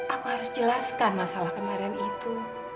aku harus jelaskan masalah kemarin itu